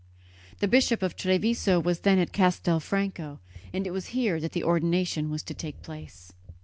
The Bishop of Treviso was then at Castelfranco, and it was here that the ordination was to take place.